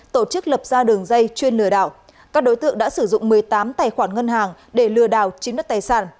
tổ chức lập ra đường dây chuyên lừa đảo các đối tượng đã sử dụng một mươi tám tài khoản ngân hàng để lừa đảo chiếm đất tài sản